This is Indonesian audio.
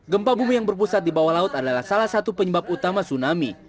gempa bumi yang berpusat di bawah laut adalah salah satu penyebab utama tsunami